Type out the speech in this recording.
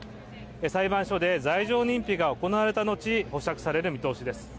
裁判所で罪状認否が行われた後保釈される見通しです。